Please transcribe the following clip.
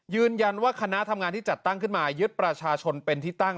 ยืนยันว่าคณะทำงานที่จัดตั้งขึ้นมายึดประชาชนเป็นที่ตั้ง